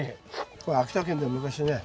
これ秋田県で昔ね